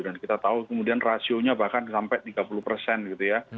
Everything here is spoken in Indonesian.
dan kita tahu kemudian rasionya bahkan sampai tiga puluh persen gitu ya